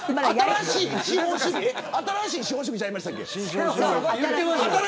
新しい資本主義ちゃいましたっけ。